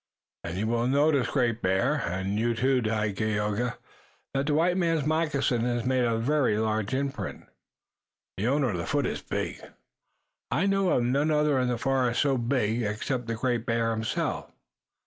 "And you will notice, Great Bear, and you, too, Dagaeoga, that the white man's moccasin has made a very large imprint. The owner of the foot is big. I know of none other in the forest so big except the Great Bear himself."